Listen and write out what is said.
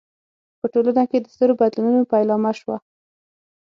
په ټولنه کې د سترو بدلونونو پیلامه شوه.